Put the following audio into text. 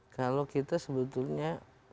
kalau kita sebetulnya